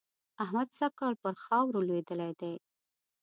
احمد سږ کال پر خاورو لوېدلی دی.